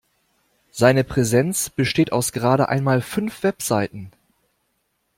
Seine Präsenz besteht aus gerade einmal fünf Webseiten.